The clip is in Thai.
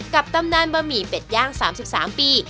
ตำนานบะหมี่เป็ดย่าง๓๓ปี